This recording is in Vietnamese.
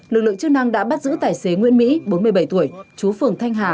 lực lượng chức năng đã bắt giữ tài xế nguyễn mỹ bốn mươi bảy tuổi chú phường thanh hà